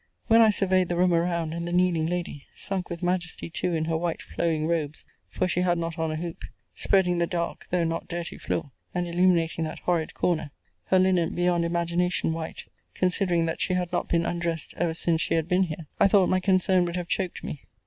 When I surveyed the room around, and the kneeling lady, sunk with majesty too in her white flowing robes, (for she had not on a hoop,) spreading the dark, though not dirty, floor, and illuminating that horrid corner; her linen beyond imagination white, considering that she had not been undressed every since she had been here; I thought my concern would have choked me.